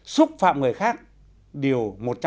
xúc phạm người khác điều một trăm tám mươi năm